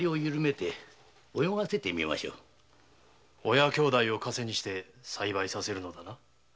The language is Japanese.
親兄弟をカセに栽培させるのだな。